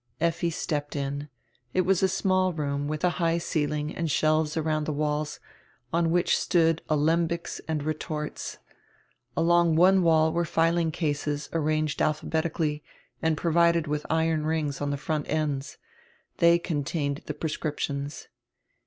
Lffi stepped in. It was a small roonr with a high ceiling and shelves around tire walls, on which stood alembics and retorts. Along one wall were filing cases arranged alpha betically and provided with iron rings on tire front ends. They contained tire prescriptions.